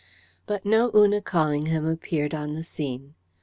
But no Una Callingham appeared on the scene.